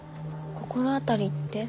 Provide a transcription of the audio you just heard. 心当たりって？